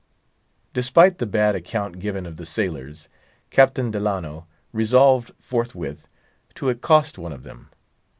Despite the bad account given of the sailors, Captain Delano resolved forthwith to accost one of them.